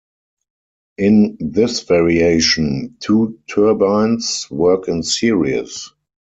In this variation, two turbines work in series.